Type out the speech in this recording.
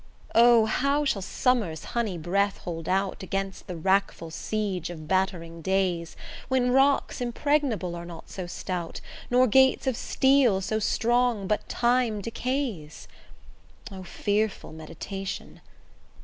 O! how shall summer's honey breath hold out, Against the wrackful siege of battering days, When rocks impregnable are not so stout, Nor gates of steel so strong but Time decays? O fearful meditation!